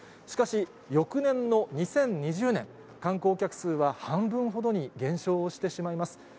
しかし、翌年の２０２０年、観光客数は半分ほどに減少をしてしまいます。